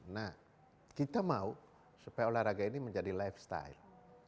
nah kita mau supaya olahraga ini menjadi lifestyle